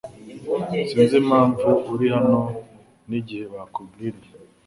Sinzi impamvu uri hano nigihe bakubwiriye